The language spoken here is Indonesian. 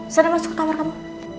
saya akan masuk ke kamar kamu